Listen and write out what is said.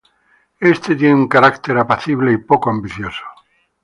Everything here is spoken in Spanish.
Éste tiene un carácter apacible y poco ambicioso.